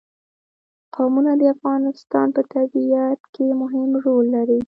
قومونه د افغانستان په طبیعت کې مهم رول لري.